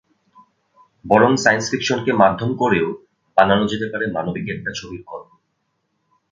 বরং সায়েন্স ফিকশনকে মাধ্যম করেও বানানো যেতে পারে মানবিক একটা ছবির গল্প।